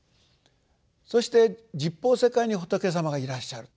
そして十方世界に仏様がいらっしゃる。